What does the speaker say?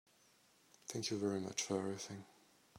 Thank you very much for everything.